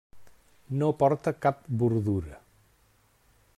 No porta cap bordura.